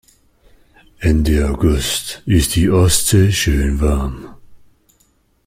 Ende August ist die Ostsee schön warm.